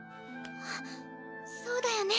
あっそうだよね。